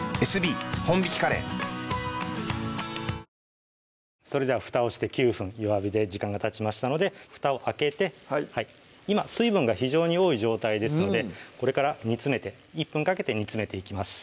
はいそれじゃあふたをして９分弱火で時間がたちましたのでふたを開けて今水分が非常に多い状態ですのでこれから煮詰めて１分かけて煮詰めていきます